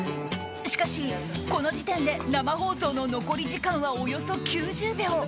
しかし、この時点で生放送の残り時間はおよそ９０秒。